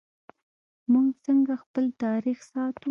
موږ څنګه خپل تاریخ ساتو؟